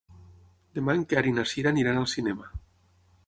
Demà en Quer i na Cira aniran al cinema.